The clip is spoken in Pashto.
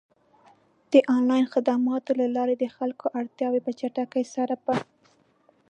د آنلاین خدماتو له لارې د خلکو اړتیاوې په چټکۍ سره پ